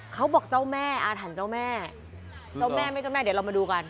เขาบอกเจ้าแม่อาถรรพ์เจ้าแม่เจ้าแม่แม่เจ้าแม่เดี๋ยวเรามาดูกัน